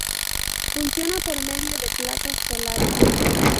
Funciona por medio de placas solares.